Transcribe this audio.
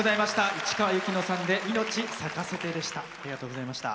市川由紀乃さんで「命咲かせて」でした。